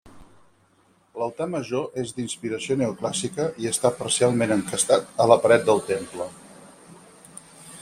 L'altar major és d'inspiració neoclàssica i està parcialment encastat a la paret del temple.